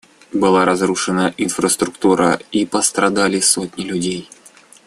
Была разрушена инфраструктура, и пострадали сотни людей.